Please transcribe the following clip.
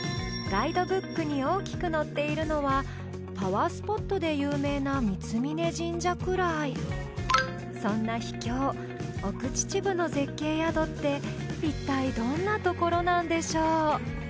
ガイドブックに大きく載っているのはパワースポットで有名な三峯神社くらいそんな秘境奥秩父の絶景宿って一体どんなところなんでしょう？